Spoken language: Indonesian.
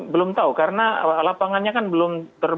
belum tahu karena lapangannya kan belum terbuka